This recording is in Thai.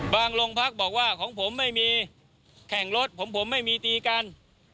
โรงพักบอกว่าของผมไม่มีแข่งรถผมไม่มีตีกัน